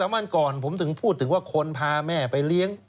วันก่อนผมถึงพูดถึงว่าคนพาแม่ไปเลี้ยง